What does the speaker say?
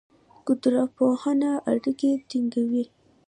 قدرپوهنه اړیکې ټینګوي.